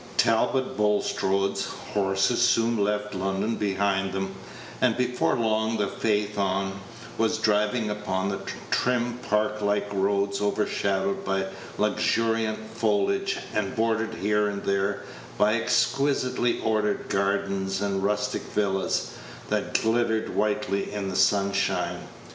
Talbot Bulstrode's horses soon left London behind them, and before long the phaeton was driving upon the trim park like roads, Page 157 overshadowed by luxuriant foliage, and bordered here and there by exquisitely ordered gardens and rustic villas, that glittered whitely in the sunshine.